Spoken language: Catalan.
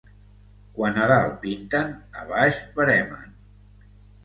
Quan a dalt pinten, a baix veremen.